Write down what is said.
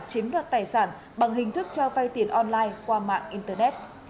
chiếm đoạt tài sản bằng hình thức cho vay tiền online qua mạng internet